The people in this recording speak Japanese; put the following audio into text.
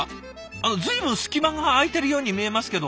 あの随分隙間が空いているように見えますけど。